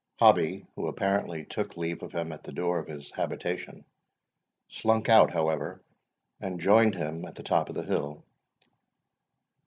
Hobbie, who apparently took leave of him at the door of his habitation, slunk out, however, and joined him at the top of the hill.